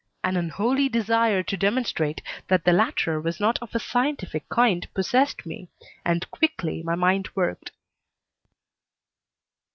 An unholy desire to demonstrate that the latter was not of a scientific kind possessed me, and quickly my mind worked.